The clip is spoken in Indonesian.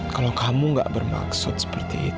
kalau kamu gak bermaksud seperti itu